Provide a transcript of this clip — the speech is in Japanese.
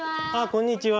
こんにちは。